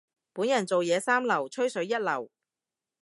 本人做嘢三流，吹水一流。